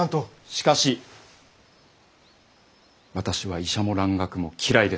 しかし私は医者も蘭学も嫌いです！